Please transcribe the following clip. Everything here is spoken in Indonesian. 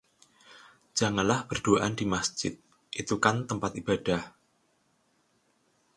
Janganlah berduaan di Masjid, itu kan tempat ibadah..